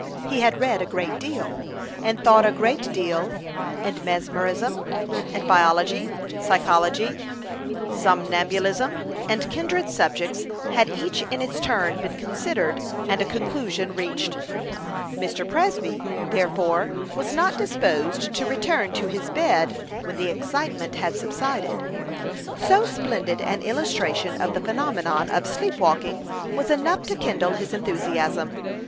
He had read a great deal, and thought a great deal; and mesmerism, biology, psychology, somnambulism, and kindred subjects, had each in its turn been considered, and a conclusion reached. Mr. Presby, therefore, was not disposed to return to his bed when the excitement had subsided. So splendid an illustration of the phenomenon of sleepwalking was enough to kindle his enthusiasm.